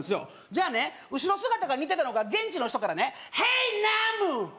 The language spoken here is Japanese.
じゃあね後ろ姿が似てたのか現地の人からねヘイナム！